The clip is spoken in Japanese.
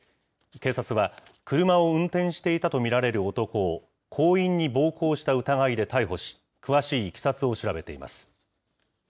警察は車を運転していたと見られる男を、行員に暴行した疑いで逮捕し、詳しいいきさつを調べています。